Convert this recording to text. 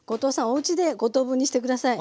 おうちで５等分にして下さい。